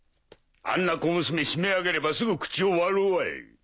あんな小娘しめあげればすぐ口を割るわい。